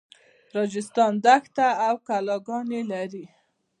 راجستان دښته او کلاګانې لري.